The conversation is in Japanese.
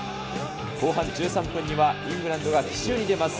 後半１３分にはイングランドが奇襲に出ます。